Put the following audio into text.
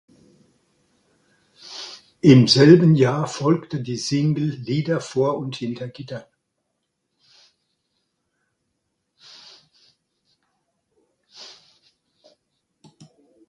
Im selben Jahr folgte die Single "Lieder vor und hinter Gittern".